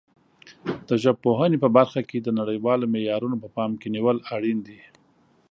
د ژبپوهنې په برخه کې د نړیوالو معیارونو په پام کې نیول اړین دي.